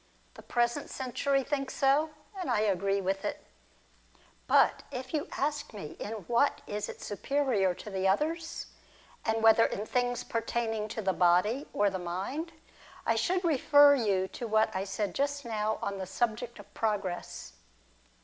The present century thinks so, and I agree with it. But if you asked me in what it is superior to the others, and whether in things pertaining to the body or the mind, I should refer you to what I said just now on the subject of progress.